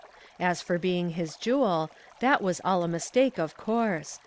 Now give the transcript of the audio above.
As for being his jewel, that was all a mistake, of course.